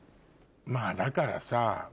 まぁだからさ